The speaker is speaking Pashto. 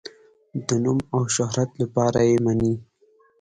د نوم او شهرت لپاره یې مني.